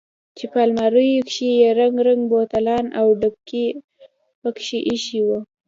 چې په الماريو کښې يې رنګ رنګ بوتلان او ډبکې پکښې ايښي وو.